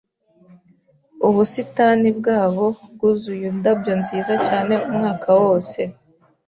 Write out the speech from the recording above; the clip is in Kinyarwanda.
Ubusitani bwabo bwuzuye indabyo nziza cyane umwaka wose.